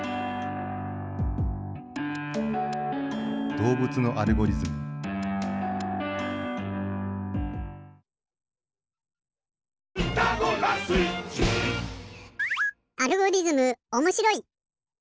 どうぶつのアルゴリズムアルゴリズムおもしろい！